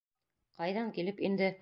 Ҡайҙан килеп инде?